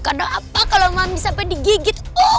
karena apa kalau mami sampai digigit